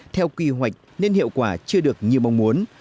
theo kỳ hoạch nên hiệu quả chưa được như mong muốn